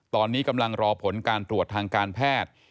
ตอนนี้กำลังรอผลการตรวจทางการแพทย์